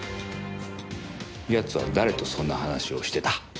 奴は誰とそんな話をしてた？